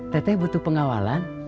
tete butuh pengawalan